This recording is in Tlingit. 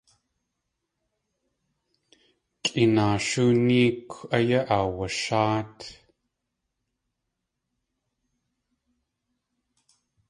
Kʼinashóo néekw áyá aawasháat.